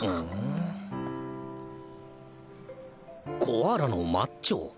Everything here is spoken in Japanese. コアラのマッチョ？